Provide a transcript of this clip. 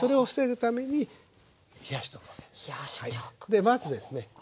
でまずですね。